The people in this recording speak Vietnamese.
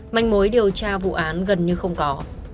manh mối điều tra vụ án gần như không có